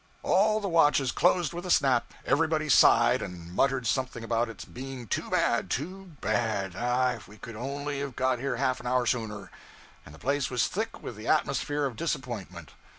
All the watches closed with a snap, everybody sighed and muttered something about its being 'too bad, too bad ah, if we could only have got here half an hour sooner!' and the place was thick with the atmosphere of disappointment.